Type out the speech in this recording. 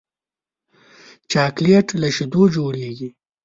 چاکلېټ له شیدو جوړېږي.